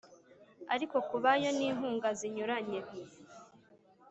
ariko ku bayo n inkunga zinyuranye